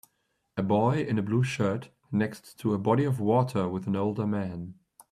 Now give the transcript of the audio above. A boy in a blue shirt next to a body of water with an older man.